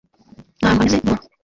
ntahantu hameze nk'urugo.